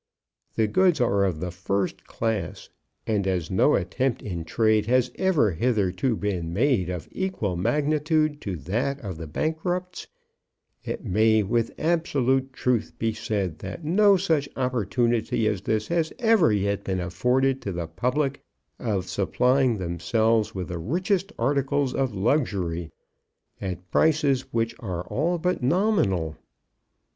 The goods are of the first class. And as no attempt in trade has ever hitherto been made of equal magnitude to that of the bankrupts', it may with absolute truth be said that no such opportunity as this has ever yet been afforded to the public of supplying themselves with the richest articles of luxury at prices which are all but nominal.